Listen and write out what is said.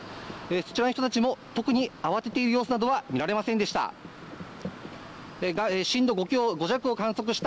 そちらの人たちも特に慌てている様子などは見られませんでした。